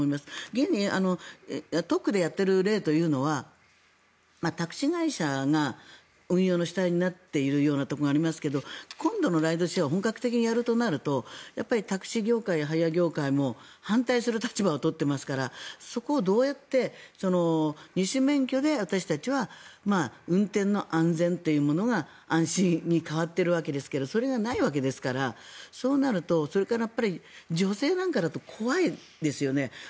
現に特区でやってる例というのはタクシー会社が運用の主体になっているようなところがありますが今度のライドシェアを本格的にやるとなるとタクシー業界、ハイヤー業界も反対する立場を取っていますからそこをどうやって二種免許で私たちは運転の安全というものが安心に変わっているわけですがそれがないわけですからそうなると女性なんかだと怖いですよね。